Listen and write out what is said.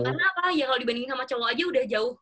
karena apa ya kalau dibandingin sama cowok aja udah jauh